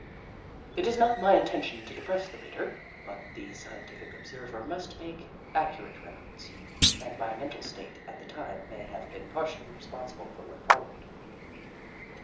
It is not my intention to depress the reader, but the scientific observer must make accurate records, and my mental state at the time may have been partially responsible for what fol lowed.